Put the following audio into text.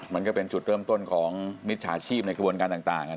มันก็เป็นจุดเริ่มต้นของมิจฉาชีพในกระบวนการต่าง